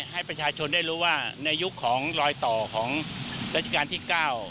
ให้ประชาชนได้รู้ว่าในยุคของรอยต่อของราชการที่๙